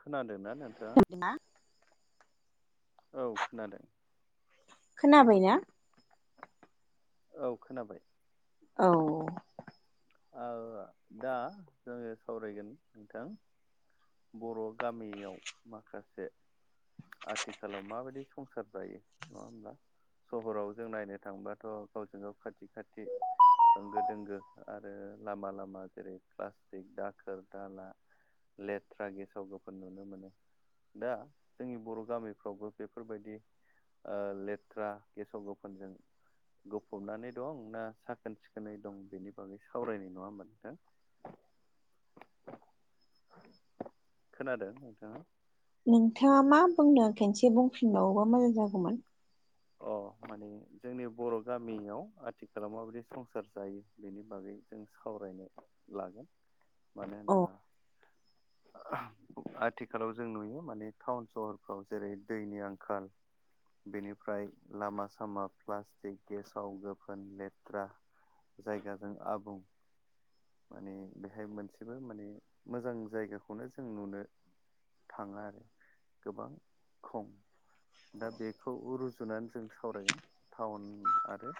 खोनादोंना नोंथाङा? [unintelligible] औ खोनादों। खोनाबायना? औ खोनाबाय। औ। ओदा जोंङो सावरायगोन नोंथां बर' गामियाव माखासे आथिखालाव माबायदि संसार जायो नङा होमब्ला। सहराव जों नायनो थांबाथ' गावजों-गाव खाथि खाथि होंगो-दोंगो आरो लामा लामा जेरै प्लास्टिक दाखोर-दाला लेथ्रा गेसाव-गोफोन नुनो मोनो। दा जोंनि बर' गामिफ्रावबो बेफोरबायदि ओ लेथ्रा गेसाव-गोफोनजों गफबनानै दं ना साखोन-सिखोनै दं बेनि बागै सावरायनाय नङा होमबा नोंथां। खोनादों नोंथाङा? नोंथाङा मा बुंनो खनसे बुंफिनबावोबा मोजां जागौमोन। अ माने जोंनि बर' गामियाव आथिखालाव माबायदि संसार जायो। बेनि बागै जों सावरायनो लागोन। मानो औ होनोबा आथिखालाव जों नुयो माने टाउन सहरफ्राव जेरै दैनि आंखाल बेनिफ्राय लामा-सामा प्लास्टिक गेसाव-गोफोन लेथ्रा जायगाजों आबुं माने बेहाय मोनसेबो माने मोजां जायगाखौनो जों नुनो थाङा आरो गोबां खम। दा बेखौ रुजुनानै जों सावरायगोन टाउन आरो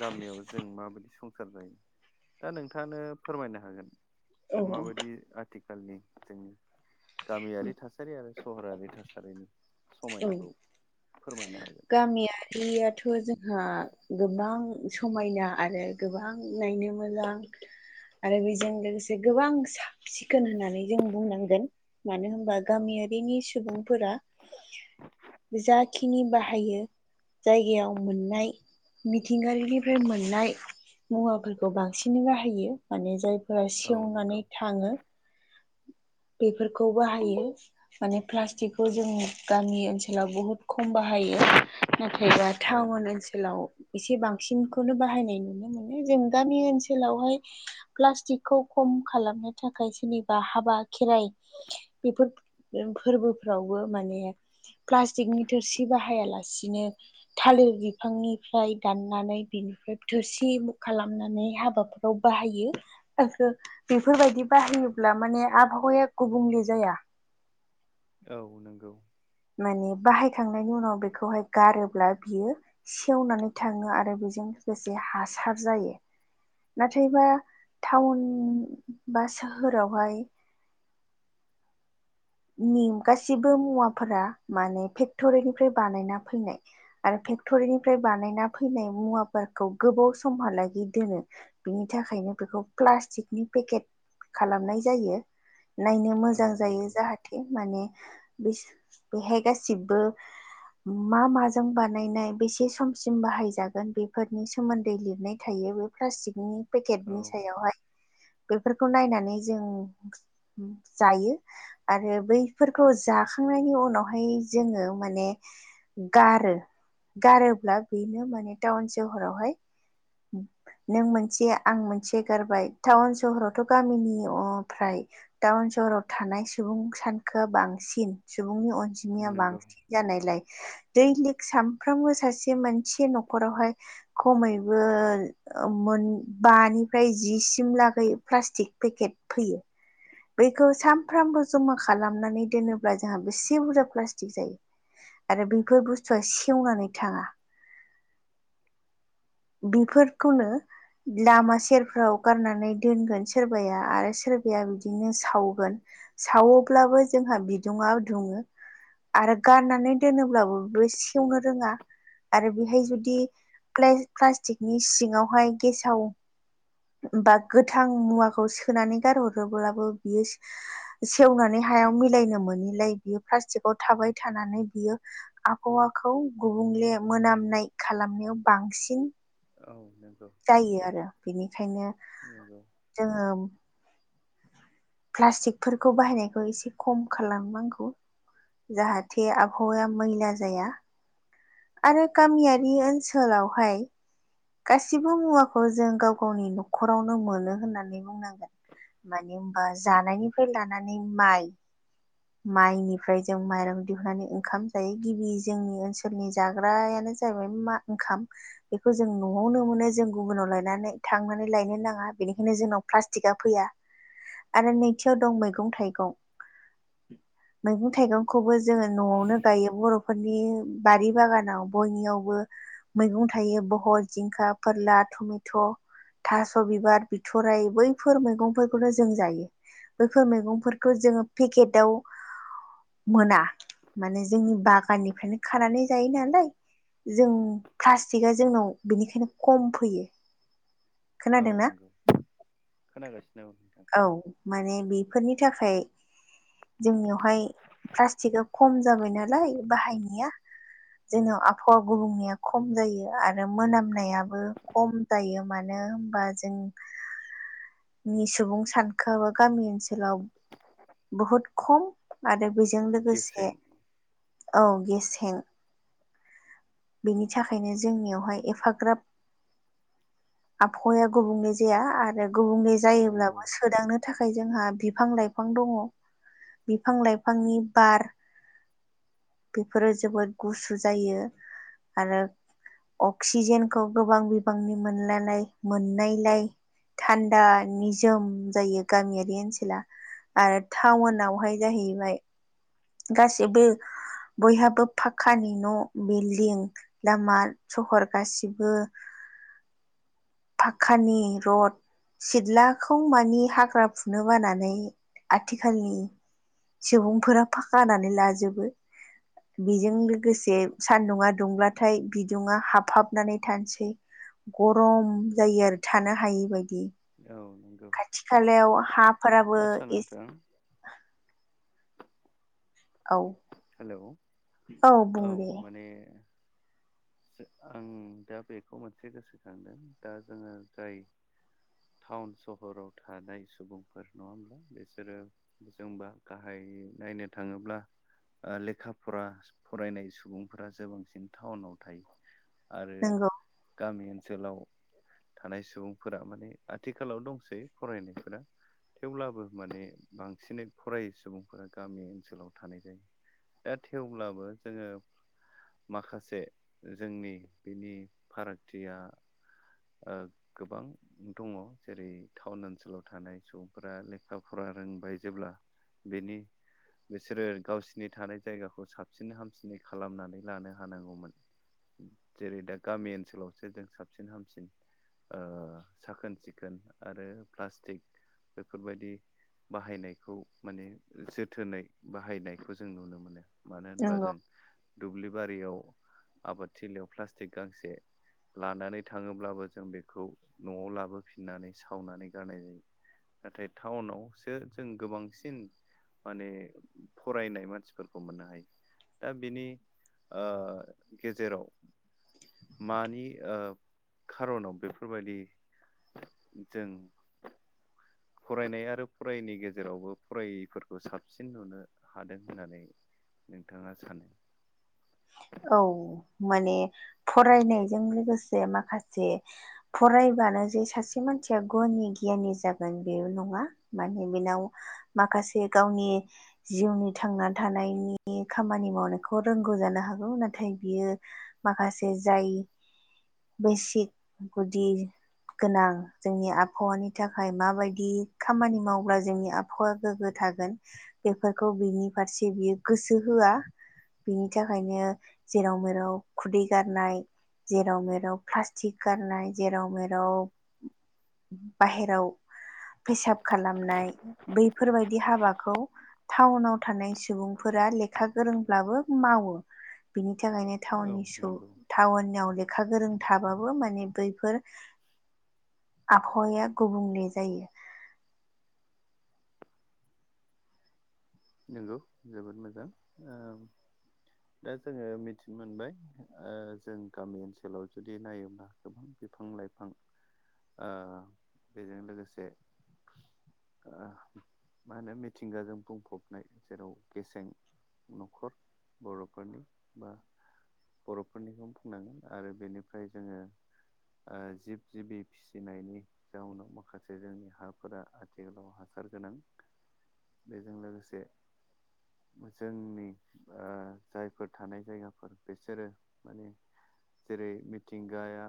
गामियाव जों माबायदि संसार जायो। दा नों- थांआनो फोरमायनो हागोन। औ माबायदि आथिखालनि जोंनि गामियारि थासारि आरो सहरारि थासारिनि समायनाखौ फोरमायनो हागोन। गामिया रियाथ' जोंहा गोबां समायना आरो गोबां नायनो मोजां। आरो बेजों लोगोसे गोबां साब-सिखोन होननानै जों बुंनांगोन मानो होनबा औ गामियारिनि सुबुंफोरा जाखिनि बाहायो जायगायाव मोननाय मिथिंगायारिनिफ्राय मोननाय मुवाफोरखौ बांसिनै बाहायो माने जायफोरा औ सेवनानै नंगौ थाङो। बेफोरखौ बाहायो। माने प्लास्टिकखौ जों गामि ओनसोलाव बहुद खम बाहायो। नाथायबा औ टाउन ओन सोलाव एसे बांसिनखौनो बाहायनाय नुनो मोनो। जों गामि ओनसोलावहाय प्लास्टिकखौ खम खालामनो थाखाय सोरनिबा हाबा खेराइ बेफोर फोरबोफ्रावबो माने प्लास्टिकनि थोरसि बाहायालासिनो थालिर बिफांनिफ्राय दाननानै बिनिफ्राय थोरसि उनु खालामनानै हाबाफोर बाहायो। बेफोरबायदि बाहायोब्ला माने आ- आबहावाया गुबुंले जाया। औ नंगौ। माने बाहायखांनायनि उनाव बेखौहाय गारोब्ला बियो सेवनानै थाङो आरो बेजों लोगोसे हासार जायो। नाथायबा टाउन बा सोहोरावहाय नि गासिबो मुवाफोरा माने फेक्टरिनिफ्राय बानायना फैनाय आरो फेक्टरिनिफ्राय बानायना फैनाय मुवाफोरखौ गोबाव समहालागै दोनो बिनि थाखायनो बेखौ प्लास्टिकनि पेकेट खालामनाय जायो। नायनो औ मोजां जायो नंगौ जाहाथे माने बेहाय गासिबो मा माजों बानायनाय बेसे समसिम बाहायजागोन बेफोरनि सोमोन्दै लिरनाय थायो बे- प्लास्टिकनि औ पेकेटनि सायावहाय बेफोरखौ नायनानै जों जायो। आरो बैफोरखौ जाखांनायनि उनावहाय जोंङो माने गारो गारोब्ला बेनो माने टाउन सहरावहाय नों मोनसे आं मोनसे गारबाय टाउन सहरावथ' गामिनि अ फ्राय टाउन सहराव थानाय सुबुं सानखोआ बांसिन सुबुंनि अनजिमाया नंगौ बांसिन जानायलाय दै लिग सानफ्रामबो सासे मानसि न'खरावहाय खमैबो मोन बानिफ्राय जिसिम लागै प्लास्टिक पेकेट फैयो। बैखौ सानफ्रामबो जमा खालामनानै दोनोब्ला जोंहा बेसे बुरजा प्लास्टिक जायो। आरो बेफोर बुस्थुआ सेवनानै थांङा बेफोरखौनो लामा सेरफ्राव गारनानै दोनगोन सोरबाया आरो सोरबाया बिदिनो सावगोन सावोब्लाबो जोंहा बिदुङाव दुंङो आरो गारनानै दोनोब्लाबो बेबो सेवनो रोंङा आरो बेहाय जुदि प्ले-प्लास्टिकनि सिङावहाय गेसाव बा गोथां मुवाखौ सोनानै गारहरोब्लाबो बियो। सेवनानै हायाव मिलायनो मोनैलाय बियो प्लास्टिकआव थाबाय थानानै बियो। आबहावाखौ गुबुंले मोनामनाय खालामनायाव बांसिन औ नंगौ जायो आरो बेनिखायनो नंगौ जोंङो प्लास्टिकफोरखौ बाहायनायखौ एसे खम खालामनांगौ जाहाथे आबहावाया मैला जाया आरो गामियारि ओनसोलावहाय गासिबो मुवाखौ जों गाव गावनि न'खरावनो मोनो होननानै बुंनांगोन। मानि होनबा जानायनिफ्राय लानानै माइ माइनिफ्राय जों माइरं दिहुननानै ओंखाम जायो गिबि जोंनि ओनसोलनि जाग्रायानो जाहैबाय मा ओंखाम बेखौ जों न'आवनो मोनो जों गुबुनाव लायनानै थांनानै लायनो नाङा बेनिखायनो जोंनाव प्लास्टिकआ फैया आरो नैथियाव दं मैगं थाइगं मैगं थाइगंखौबो जोङो न'आवनो गायो बर' नखरनि बारि बागानाव बयनियावबो मैगं थायो बहल जिंखा फोरला टमेट' थास' बिबार बिथराइ बैफोर मैगंफोरखौनो जों जायो। बेफोर मैगंफोरखौ जोङो पेकेटाव मोना माने जोंनि बागाननिफ्रायनो खानानै जायो नालाय जों प्लास्टिकआ जोंनाव बिनिखायनो खम फैयो औ खोनादोंना नंगौ खोनागासिनो दं नोंथां औ माने बेफोरनि थाखाय जोंनियावहाय प्लास्टिकआ खम जाबाय नालाय बाहायनाया जोंनाव आबहावा गुबुंनिया खम जायो आरो मोनामनायाबो खम जायो मानो होनबा जों । नि सुबुं सानखोआआबो गामि ओनसोलाव बहुत खम आरो बेजों गेसें लोगोसे औ गेसें बेनि थाखायनो जोंनियावहाय एफाग्राब आबहावाया गुबुंले जाया आरो गुबुंले नंगौ जायोब्लाबो सोदांनो थाखाय जोंहा बिफां लाइफां दङ बिफां लाइफांनि बार बेफोरो जोबोद गुसु जायो आरो अक्सिजेनखौ गोबां बिबांनि मोनलालाय मोननायलाय थान्दा निजोम जायो गामियारि ओनसोला आरो टाउनावहाय जाहैबाय गासिबो बयहाबो फक्कानि न' बिल्दििं लामा सहर गासिबो फाखानि र'ड सिथ्लाखौ मानि हाग्रा फुनो बानानै आथिखालनि सुबुंफोरा फाखानानै लाजोबो बेजों लोगोसे सान्दुंङा दुंब्लाथाय बिदुुंा हाबहाबनानै थानोसै गरम जायो आरो थानो हायिबायदि औ नं खाथि खालायाव हाफोराबो ए नोंथां औ औ बुं दे बे आं दा बेखौ मोनसे गोसोखांदों दा जोङो जाय टाउन सहराव थानाय सुबुंफोर नङा होमब्ला बिसोरो जोंबा गाहाय नायनो थाङोब्ला लेखा फरा फरायनाय सुबुंफोरा ज बांसिन टाउनाव थ आरो नंगौ गामि ओनसोलाव थानाय सुबुंफोरा माने आथिखालाव दंसै फरायनायफोरा थेवब्लाबो माने बांसिनै फरायोै सुबुंफोरा गामि ओनसोलाव थानाय जायो दा थेवब्लाबो जोङो माखासे जोंनि बिनि फारागथिया गोबां दङ जेरै टाउन ओनसोलाव थानाय सुबुंफोरा लेखा फरा रोंबाय जेब्ला बेनि बिसोरो गावसिनि थानाय जायगाखौ साबसिन हामसिनै खालामनानै लानो हानांगौमोन जेरै दा गामि ओनसोलावसो जों साबसिन हाम बाबसिन साखोन सिखोन आरो प्लास्टिक बेफोरबायदि बाहायनायखौ माने जोथोनै बाहायनायखौ जों नुनो मोनो मानो होनबा नंगौ जों दुब्लि बारियाव आबादथिलियाव प्लास्टिक गांसे लानानै थाङोब्लाबो जों बेखौ न'आव लाबोफिननानै सावनानै गारनाय जायो नाथाय टाउनावसो जों गोबांसिन माने फरायनाय मानसिफोरखौ मोननो हायो दा बिनि गेजेराव मानि खार'नाव बेफोरबायदि जों फरायनाय आरो फरायैनि गेजेरावबो फरायैफोरखौ साबसिन नुनो हादों होननानै नोंथाङा सानो औ माने फरायनायजों लोगोसे माखासे फरायबानो जे सासे मानसिया गनि गियानि जागोन बे नङा माने बेनाव माखासे गावनि जिउनि थांना थानायनि खामानि मावनायखौ रों नांगौ जानो हागौ नाथाय बियो माखासे जाय बेसिक गुदि गोनां जोंनि आबहावानि थाखाय माबायदि खामानि मावब्ला जोंनि आब अखौा गोग्गो थागोन बेफोरखौ बिनि फारसे बियो गोसो होआ बिनि थाखायनो जेराव मेराव खुदै गारनाय जेराव मेराव प्लास्टिक गारनाय जेराव मेराव बाहेराव फेसाब खालामनाय बैफोरबायदि हाबाखौ टाउनाव थानाय सुबुंफोरा लेखा गोरोंब्लाबो मावो बिनि थाखायनो औ ाउ नंगौ टाउनाव लेखा गोरों थाबाबो माने बैफोर आबहावाया गुबुंले जायो। नोंगौ जोबोद मोजां ओ दा जोङो मिथिनो मोनबाय ओ जों गामि ओनसोलाव जुदि नायोब्ला गोबां बिफां लाइफां ओ बेजों लोगोसे ओ मा होनो मिथिंगाजों बुंफबनाय जेराव गेसें न'खर बर'फोरनि बा बर'फोरनिखौनो बुंनांगोन आरो बेनिफ्राय जोङो जिब जिबि फिसिनायनि जाउनाव माखासे जोंनि हाफोरा आथिखालाव हासार गोनां बेजों लोगोसे जोंनि ओ जायफोर थानाय जायगाफोर बेसोरो माने जेरै मिथिंगाया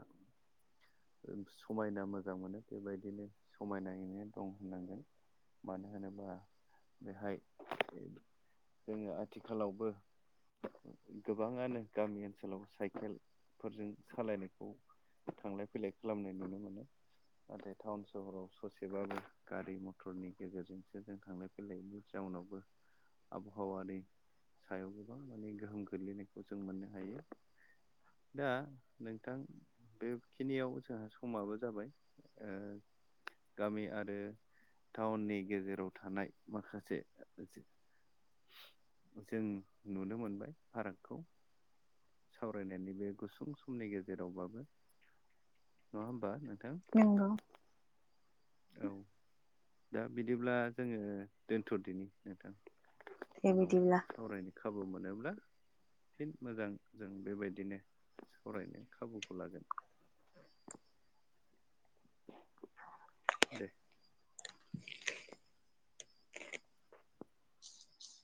समायना मोजां मोनो बेबायदिनो समायनायैनो दं होननांगोन। मानो होनोबा बेहाय जोङो आथिखालावबो गोबाङानो गामि ओनसोलाव साइकेलफोरजों सालायनायखौ थांलाय फैलाय खालामनाय नुनो मोनो नाथाय टाउन सहराव ससेबाबो गारि मथरनि गेजेरजोंसो जों थांलाय फैलायनि जाउनावबो आबहावानि सायाव गोबां माने गोहोम गोग्लैनायखौ जों मोननो हायो। दा नोंथां बेखिनियाव जोंहा समाबो जाबाय ओ गामि आरो टाउननि गेजेराव थानाय माखासे बि जों नुनो मोनबाय फारागखौ। सावरायनायनि बे गुसुं समनि गेजेरावबाबो नङा होमबा नोंथां? नंगौ औ दा बिदिब्ला जोङो दोनथ'दिनि नोंथां। दे उनाव बिदिब्ला सावरायनो खाबु मोनोब्ला फिन मोजां जों बेबायदिनो सावरायनो खाबुखौ लागोन। दे